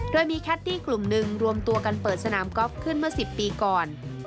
โดยมีแคดดี้กลุ่มหนึ่งรวมตัวกันเปิดสนามกอล์ฟขึ้นเมื่อ๑๐ปีก่อน